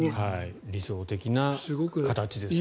理想的な形ですね。